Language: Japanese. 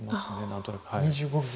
何となく。